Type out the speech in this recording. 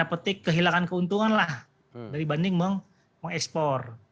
tanda petik kehilangan keuntungan lah daribanding mengekspor